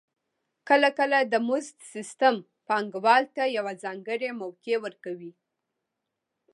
کله کله د مزد سیستم پانګوال ته یوه ځانګړې موقع ورکوي